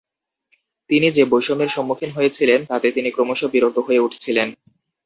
তিনি যে বৈষম্যের সম্মুখীন হয়েছিলেন তাতে তিনি ক্রমশ বিরক্ত হয়ে উঠছিলেন।